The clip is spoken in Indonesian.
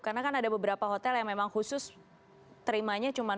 karena kan ada beberapa hotel yang memang khusus terimanya cuma wisman